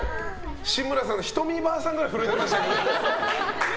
志村さんのひとみばあさんぐらい震えてましたね。